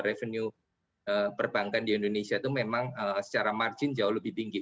revenue perbankan di indonesia itu memang secara margin jauh lebih tinggi